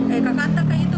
eh kakak tak ke itu